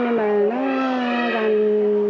nhưng mà nó vàng